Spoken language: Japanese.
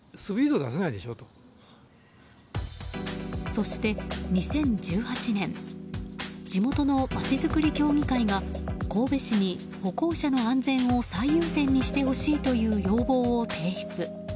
そして、２０１８年地元のまちづくり協議会が神戸市に歩行者の安全を最優先にしてほしいとの要望を提出。